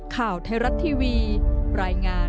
ข่าวไทยรัฐทีวีรายงาน